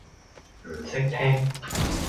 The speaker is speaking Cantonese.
唔識聽